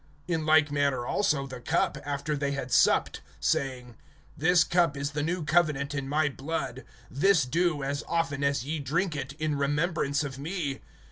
(25)In like manner also the cup, after they had supped, saying: This cup is the new covenant in my blood; this do, as often as ye drink it, in remembrance of me.